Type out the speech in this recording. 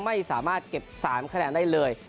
ไม่สามารถเก็บ๓คะแนนได้เลย